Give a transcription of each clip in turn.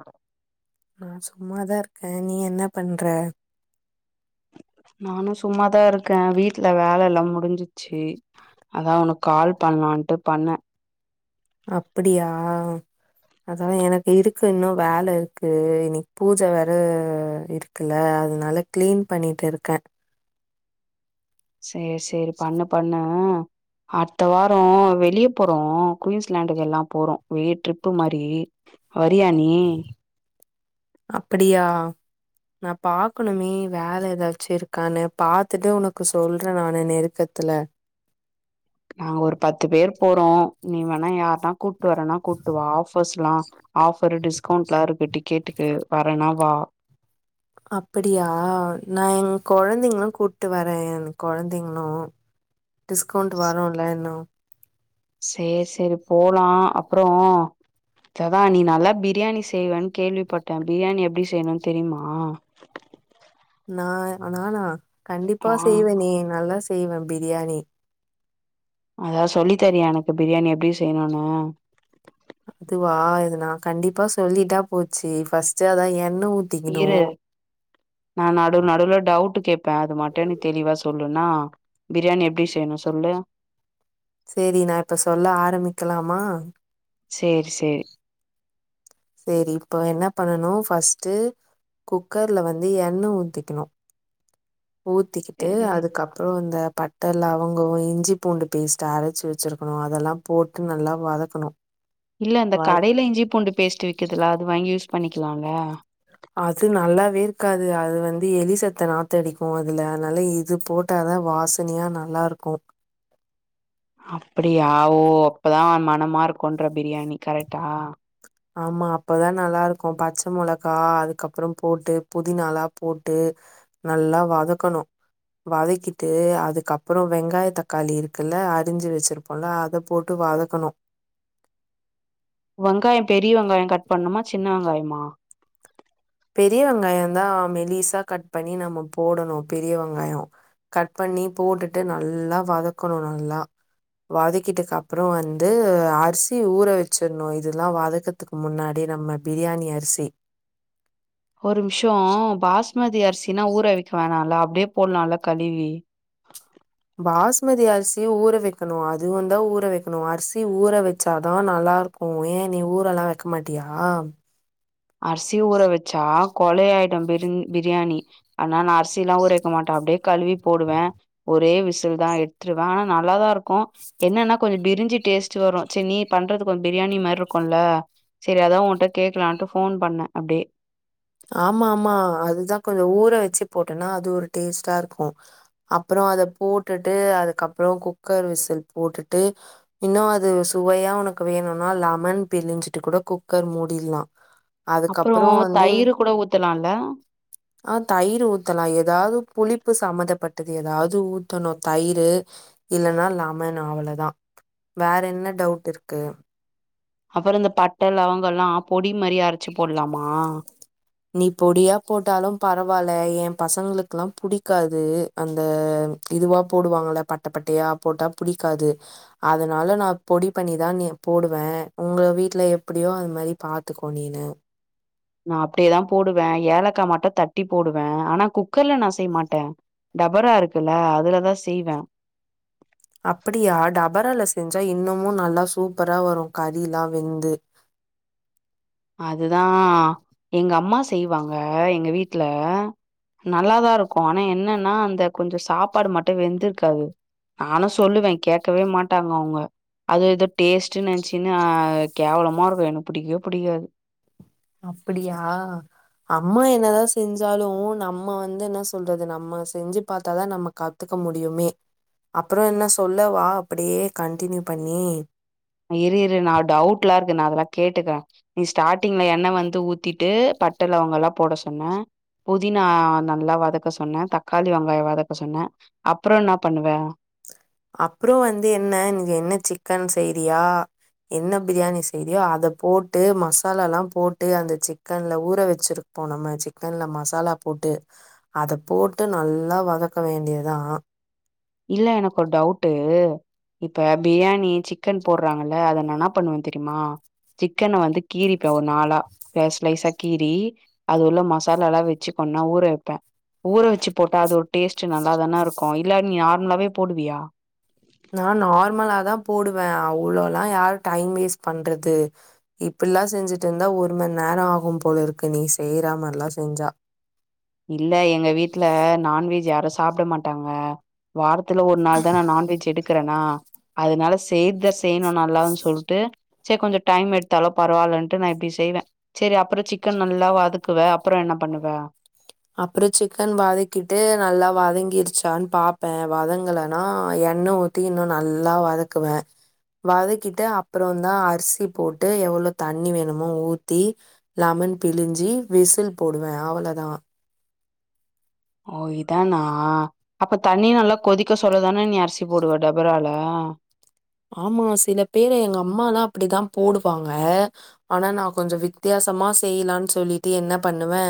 ம் நா சும்மாதா இருக்கே நீ என்ன பண்ற நானு சும்மாதா இருக்கே வீட்ல வேலெல்லாம் முடிஞ்சிச்சி அதா உனக் கால் பண்லான்ட்டு பண்ணே அப்பிடியா அதா எனக்கு இருக்கு இன்னு வேல இருக்கு இன்னைக் பூஜ வேற இருக் இல்ல அதனால க்ளீன் பண்ணீட்டுருக்க சேர் சேரி பண்ணு பண்ணூ அடுத்த வாரோம் வெளிய போறோ குயின்ஸ்லேண்டுக்கு எல்லா போறோ வெளிய ட்ரிப்பு மாரி வரியா நீ அப்படியா நா பாக்கணுமே வேல ஏதாச்சு இருக்கானு பாத்துட்டு உனக்கு சொல்ற நானு நெருக்கத்துல நாங்க ஒரு பத்து பேர் போறோ நீ வேணா யார்ன்னா கூப்ட்டு வரன்னா கூப்ட்டுவா ஃபர்ஸ்லா ஆஃபரு டிஸ்கவுண்ட்லா இருக்கு டிக்கேட்டுக்கு வரன்னா வா அப்படியா நா எ கொழந்தைங்களா கூப்ட்டு வரே கொழந்தைங்கனாளு டிஸ்கவுண்ட் வரும்ல்ல இன்னு சேர் சேரி போலாம் அப்றோம் ததான் நீ நல்லா பிரியாணி செய்வேன் கேள்விப்பட்ட பிரியாணி எப்டி செய்ணு தெரியுமா நா நானா கண்டிப்பா ஆ செய்வே நீ நல்லா செய்வேன் பிரியாணி அதா சொல்லித்தரியா எனக்கு பிரியாணி எப்டி செய்ணுணு துவா இது நா கண்டிப்பா சொல்லிட்டா போச்சு ஃபர்ஸ்ட்டு அத எண்ணெ ஊ இரு நா நடுவு நடுவுல் டவுட்டு கேப்ப அது மட்டும் நீ தெளிவா சொல்லுனா பிரியாணி எப்டி செய்ணு சொல்லு சேரி நா இப்ப சொல்ல ஆரம்பிக்கலாமா சேர் சேரி சேரி இப்ப என்ன பண்ணணும் ஃபஸ்ட்டு குக்கர்ல வந்து எண்ண ஊத்திக்கணும் ஊ த்திட்டு சேரி அதுக்கப்றோம் இந்த பட் ட லவங்கோம் இஞ்சி பூண்டு பேஸ்ட்டு அரச்சு வச்சுருக்கணும் அதெல்லா போட்டு நல்லா வதக்கணும் இல்ல இந்த கடையில இஞ்சி பூண்டு பேஸ்ட்டு விக்குதுல அது வாங்கி யூஸ் பண்ணிக்கலாம்ல அது நல்லாவேருக்காது அது வந்து எலி செத்த நாத்தடிக்கும் அதுல அனால இது போட் டாதா வாசனையா நல்லாருக்கும் அப்படியா ஓ அப்பதான் மனமாருக்கும்ன்ற பிரியாணி கரெட்டா ஆமா அப்பதா நல்லாருக்கும் பச்ச மொளகா அதுக்கப்புறம் போட்டு புதினாளா போட்டு நல்லா வதக்கணும் வதக்கிட்டு அதுக்கப்பறோம் வெங்காய தக்காளி இருக்குல்ல அரிஞ்சு வச்சிருப் போல்ல அத போட்டு வதக்கணும் வெங்காயம் பெரிய வெங்காயம் கட் பண்ணுமா ஜின்ன வெங்காயமா பெரிய வெங்காயம் தா மெலிசா கட் பண்ணி நம்ம போடணும் பெரிய வெங்காயோம் கட் பண்ணி போட்டுட்டு நல்லா வதக்கணும் நல்லா வதக்கிட்டுக்கு அப்றோம் வந்து அரிசி ஊற வச்சிர்ணும் இதெல்லாம் வதக்க துக்கு முன்னாடி நம்ம பிரியாணி அர்சி ஒரு மிஷோம் பாஸ்மதி அரிசினா ஊறவிக்க வேணாம்ல அப்டியே போட்லால்ல கழுவி பாஸ்மதி அரிசி ஊற வைக்கணும் அதுவும்ந்தா ஊற வைக்கணும் அரிசி ஊற வச்சாதான் நல்லாருக் கும் யே நீ ஊரெல்லாம் வைக்க மாட்டியா அர்சி ஊற வச்சா கொலே ஆயிடும் பிரிங் பிரியாணி ஆனா நா அர்சில்லா ஊற வக்க மாட்டேன் அப்டியே கழுவி போடுவ ஒரே விசில் தான் எட்த்துருவேன் ஆனா நல்லாதாருக்கும் என்னன்னா கொஞ்ச பிரிஞ்சி டேஸ்ட்டு வரும் ச நீ பண்றது கொஞ் பிரியாணி மார்ருக்கும்ல சேரி அதான் உன்ட்ட கேக்கலான்ட்டு ஃபோன் பண்ணேன் அப்டே ஆமா ஆமா அதுதா கொஞ்ச ஊற வெச்சு போட்டனா அது ஒரு டேஸ்ட்டாருக்கு அப்புற அத போட்டுட்டு அதுக்கப்புற குக்கர் விசில் போட்டுட்டு இன்னு அது சுவையா உனக்கு வேணுனா லெமன் பிழிஞ்சிட்டு கூட குக்கர் மூடிர்லா அப்புற தயிரு கூட ஊத்தலால ஆ தயிரு ஊத்தலா எதாவது புளிப்பு சம்மந்தப்பட்டது எதாவது ஊத்தணு தயிரு இல்லன்னா லெமன் அவ்ளதா வேற என்ன டவுட் இருக்கு அப்புற இந்த பட்ட லவங்கல்லா பொடி மாரி அரச்சு போடலாமா நீ பொடியா போட்டாலும் பரவால்ல என் பசங்களுக்குல்லா புடிக்காது அந்த இதுவா போடுவாங்கள பட்ட பட்டையா போட்டா புடிக்காது அதனால நா பொடி பண்ணி தா போடுவே உங்க வீட்ல எப்டியோ அது மாரி பாத்துக்கோ நீனு நா அப்டியேதா போடுவே ஏலக்கா மட்டு தட்டி போடுவே ஆனா குக்கர்ல நா செய்யமாட்டே டபரா இருக்குல்ல அதுலதா செய்வே அப்பிடியா டபரால செஞ்சா இன்னமு நல்லா சூப்பரா வரு கறிலா வெந்து அதுதா எங்க அம்மா செய்வாங்க எங்க வீட்ல நல்லாதா இருக்கு ஆனா என்னன்னா அந்த கொஞ்ச சாப்பாடு மட்டு வெந்திருக்காது நானு சொல்லுவே கேக்கவே மாட்டாங்க அவுங்க அது எதோ டேஸ்ட்டுனு நெனச்சின்னு ஆ கேவலமாருக்கு எனக்கு புடிக்கவே புடிக்காது அப்படியா அம்மா என்னதா செஞ்சாலு நம்ம வந்து என்ன சொல்றது நம்ம செஞ்சு பாத்தாதா நமக்கது கத்துக்க முடியுமே அப்றோ என்ன சொல்லவா அப்டியே கண்டினியூ பண்ணி இரு இரு நா டவுட்ல்லா இருக்கு நா அதெல்லா கேட்டுக்குறே நீ ஸ்டார்டிங்ல எண்ண வந்து ஊத்தி ட்டு பட்ட லவங்கல்லா போட சொன்ன புதினா நல்லா வதக்க சொன்ன தக்காளி வெங்காய வதக்க சொன்ன அப்பற என்ன பண்ணுவ அப்புறோ வந்து என்ன இன்னக்கி என்ன சிக்கன் செய்றியா என்ன பிரியாணி செய்றியோ அதை போட்டு மசாலால போட்டு அந்த சிக்கன்ல ஊற வச்சிரு இப்போ நம்ம சிக்கன்ல மசாலா போட்டு அதை போட்டு நல்லா வதக்க வேண்டியதா இல்ல எனக்கு ஒரு டவுட்டு இப்ப பிரியாணி சிக்கன் போட்றாங்கல்ல அத நா என்ன பண்ணுவே தெரியுமா சிக்கன வந்து கீறிப்ப ஒரு நாலா ஸ்லைஸ் ஸ்லைஸா கீரி அது உள்ள மசாலாலா வெச்சி பண்ணா ஊற வெப்பே ஊற வச்சி போட்டா அது ஒரு டேஸ்ட் நல்லாதான இருக்கு இல்ல நீ நார்மலாவே போடுவியா நான் நார்மலாதா போடுவே அவ்ளோலா யாரு டைம் வேஸ்ட் பண்றது இப்பில்லா செஞ்சிட்டு இருந்தா ஒரு மண்நேர ஆகும் போல இருக்கு நீ செய்ற மாரிலா செஞ்சா இல்ல எங்க வீட்ல நான்வெஜ் யாரு சாப்ட மாட்டாங்க வார த்துல ஒரு நாள் தா நா நான்வெஜ் எடுக்கிறேனா அதனால செய்றத செய்ணு நல்லானு சொல்ட்டு சேர் கொஞ்ச டைம் எடுத்தாலு பரவால்ன்ட்டு நா இப்டி செய்வே செரி அப்பற சிக்கன நல்லா வதக்குவ அப்பற என்ன பண்ணுவ அப்ற சிக்கன வதகிட்டு நல்லா வதங்கிருச்சான் பாப்பே வதங்கலனா எண்ண ஊத் தி இன்னு நல்லா வதக்குவே வதக்கிட்டு அப்பறந்தா அரிசி போட்டு எவ்ளோ தண்ணி வேணுமோ ஊத்தி லெமன் பிழிஞ்சி விசில் போடுவே அவ்வளதா ஓ இதானா அப்ப தண்ணி நல்லா கொதிக்க சொல்லதானே நீ அரிசி போடுவ டபரால ஆமா சில பேர் எங்க அம்மாலா அப்டிதா போடுவாங்க ஆனா நா கொஞ்ச வித்தியாசமா செய்லான்னு சொல்லிட்டு என்ன பண்ணுவே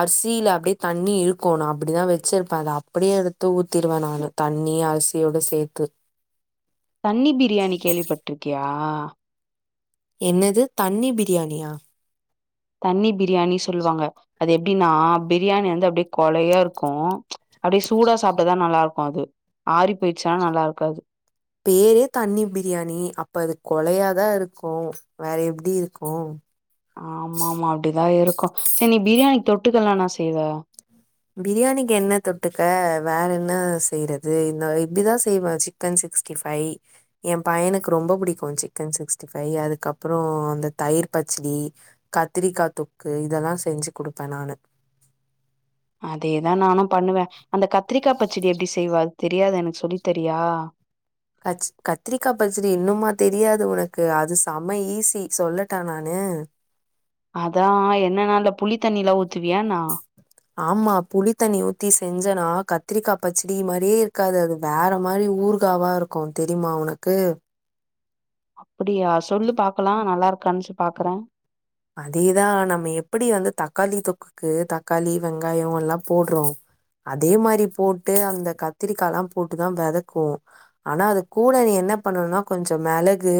அர்சில அப்டே தண்ணி இர்க்கோணு அப்டிதா வெச்சிருப்பே அத் அப்டே எடுத்து ஊத்திடுவே நானு தண்ணி அரிசியோட சேத்து தண்ணி பிரியாணி கேள்விபட்ருக்யா என்னது தண்ணி பிரியாணியா தண்ணி பிரியாணி சொல்வாங்க அது எப்டினா பிரியாணி அந்து அப்டே கொழையா இர்க்கு அப்டே சூடா சாப்ட்டதா நல்லார்க்கு அது ஆறி போய்ச்சா நல்லார்க்காது பேரே தண்ணி பிரியாணி அப்ப அது கொழையாதா இருக்கு வேற எப்டி இருக்கு ஆமாமா அப்டிதா இருக்கு ச்ச நீ பிரியாணி தொட்டுக்கலா என்னா செய்வே பிரியாணிக் என்ன தொட்டுக்க வேற் என்ன செய்றது இன்னா இப்டிதா செய்வே ச்சிக் க்கன் சிஸ்ட்டிஃபை எ பையனுக் ரொம்ப புடிக்கு சிக்கன் சிக்ஸ்டி ஃபை அதுகப்பறோ அந்த தயிர் பச்டி கத்திரிக்கா தொக்கு இதெல்லா செஞ்சி குடுப்பே நானு அதேதா நானு பண்ணுவே அந்த கத்ரிக்கா பச்சுடி எப்டி செய்வ அத் தெரியாது எனக் சொல்லி தரியா கஜ் கத்திரிகா பச்சடி இன்னும்மா தெரியாது உனக்கு அது செம ஈஸி சொல்லட்டா நானு அதா என்னன்னா அல புளி தண்ணிலா ஊத்துவியாணா ஆமா புளிதண்ணி ஊத்தி செஞ்சனா கத்ரிக்கா பச்சுடி மாரியே இருக்காத் அதும் வேற மாரி ஊர்காவா ருக்கு தெரிமா உனக்கு ப்டியா சொல்லு பாக்கலா நல்லார்க்கான் சு பாக்றே அதேதா நம்ம எப்படி வந்து தக்காளி தொக்குக்கு தக்காளி வெங்காயோ எல்லா போட்றோ அதே மாரி போட்டு அந்த கத்திரிக்காலா போட்டுதா வெதக்கூ ஆனா அது கூட நீ என்ன பண்ணணுனா கொஞ்சு மெளகு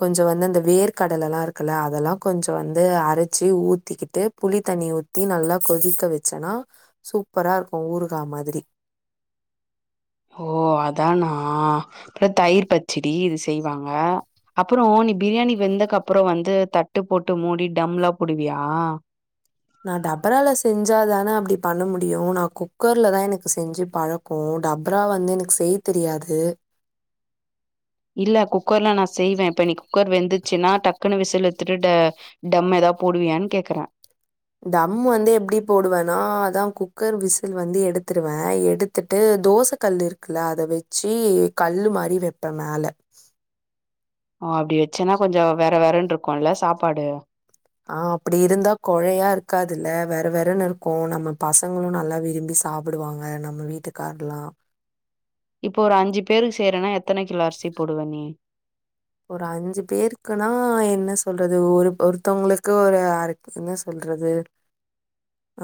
கொஞ்சு வந்து அந்த வேர்கடலல்லா இருக்குல்ல அதெல்லா கொஞ்சு வந்து அரச்சி ஊத்திக்கிட்டு புளி தண்ணிய ஊத்தி நல்லா கொதிக்க வெச்சனா சூப்பரா இருக்கு ஊருகா மாதிரி ஹோ அதானா ப்ற தயிர் பச்சிடி இது செய்வாங்க அப்பறோ நீ பிரியாணி வெந்தக்கப்றோ வந்து தட்டு போட்டு மூடி டம்லா புடுவியா நா டபரால செஞ்சா தான அப்டி பண்ண முடியு நா குக்கர்லதா எனக்கு செஞ்சி பழோ கோ டப்ரா வந்து எனக் செய் தெரியாது இல்ல குக்கர்லா நா செய்வே இப்ப நீ குக்கர் வெந்துச்சுன்னா டக்குனு விசுல் எத்துட்டு டு டம் எதா போடுவியான் கேக்கற தம் வந்து எப்டி போடுவேனா அதா குக்கர் விசில் வந்து எடுத்துடுவே எடு த்துட்டு தோச கல் இர்க்குல்ல அத வெச்சி கல்லு மாரி வெப்பே மேல ஓ அப்டி வெச்சேனா கொஞ்சு வெற வெறன்ருக்குல சாப்பாடு ஆ அப்படி இருந்தா குழையா இருக்காதுல வெற வெறன் இருக்கு நம்ம பசங்களு நல்லா விரும்பிஸ் தாப்புடுவாங்க நம்ம வீட்டு கார்லா இப்போரு அஞ்சி பேரு செய்றேனா எத்தன கிலோ அர்சி போடுவ நீ ஒரு அஞ்சு பேருக்குனா என்ன சொல்றது ஒருப் ஒருதவ்ங்ளுக்கு ஒரு ஆரே என்ன சொல்றது [unintelligible]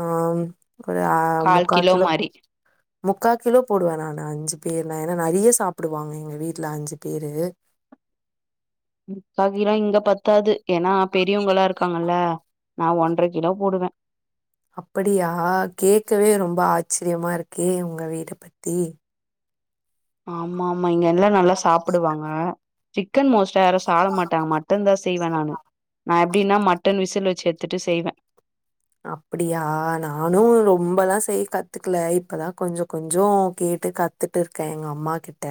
ஆம் ஒரு ஆ கால் முக்கா கிலோ மாரி முக்கா கிலோ போடுவே நா நாஅஞ்சி பேர்ல ஏனா நறிய சாப்டுவாங் எங்க வீட்ல அஞ்சு பேரு முக்கா கிலோ இங்க பத்தாது எனா பெரியவங்களா இருக்காங்கல நா ஒன்ற கிலோ போடுவே அப்படியா கேக்கவே ரொம்ப ஆச்சர்யமா இருக்கே உங்க வீடு பத்தி ஆம்மாமா இங்க எல்லா நல்லா சாப்புடுவாங்க சிக்கன் மோஸ்டா யாரு சாப்ட மாட்டாங்க மட்டன் தா செய்வே நானு நா எப்படின்னா மட்டன் விசில் வச்சு எத்துட்டு செய்வே அப்படியா நானு ரொம்பல செய்ய கத்துகல இப்பதா கொஞ்சோ கொஞ்சோ கேட்டு கத் கத்துட்டு இருக்கே எங்க அம்மா கிட்ட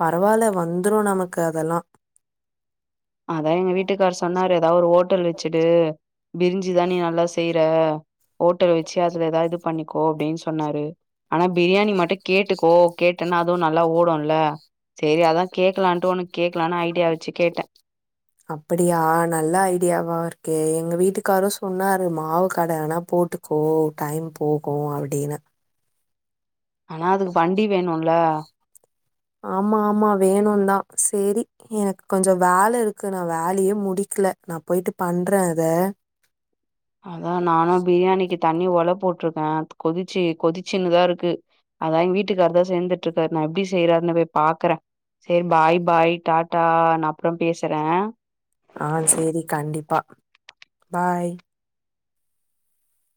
பரவாயில்ல வந்துரு நமக்கு அதெல்ல அதா எங்க வீட்டுக்கார் சொன்னாரு ஏதாவது ஒரு ஹோட்டல் வச்சுட்டு பிரிஞ்சுதா நீ நல்லா செய்யற ஓட்டல் வச்சு அதுல ஏதாவது இது பண்ணிக்கோ அப்படின் சொன்னாரு ஆனா பிரியாணி மட்டு கேட்டுக்கோ கேட்டன்னா அதுவு நல்லா ஓடும்ல சேரி அதா கேக்கலான்ட்டு உனக்கு கேக்கலான்னு ஐடியா வச்சு கேட்டே அப்படியா நல்ல ஐடியாவா இருக்கே எங்க வீட்டுக்காரு சொன்னாரு மாவு கடை ஆனா போட்டு சோ டைம் போகு அப்படின்னு ஆனா அதுக்கு வண்டி வேணுல ஆமா ஆமா வேணுதா ‌சேரி எனக்கு கொஞ்சோ வேலை இருக்கு நா வேலையே முடிக்கல நா போயிட்டு பண்றே அத அதா நானு பிரியாணிக்கு தண்ணி ஒலை போட்டிருக்கே கொதிச்சு கொதிசுன்னனுதா இருக்கு அதா எங் வீட்டுகாரதா செந்து இருக்கரு நா எப்படி செய்யறருன்னு போய் பாக்குறே சேரி பாய் பாய் டாடா நா பேசுறே ஆ சேரி கண்டிபா பாய்